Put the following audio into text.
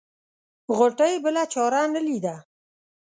غوټۍ بله چاره نه ليده.